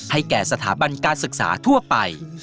แก่สถาบันการศึกษาทั่วไป